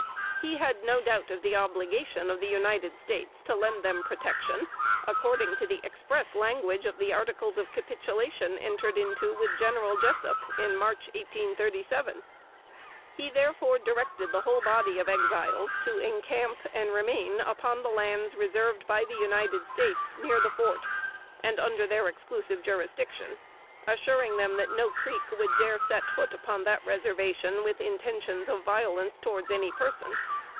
He had no doubt of the obligation of the United States to lend them protection, according to the express language of the articles of capitulation entered into with General Jessup, in March, 1837. He, therefore, directed the whole body of Exiles to encamp and remain upon the lands reserved by the United States, near the fort, and under their exclusive jurisdiction, assuring them that no Creek would dare set foot upon that reservation with intentions of violence towards any person.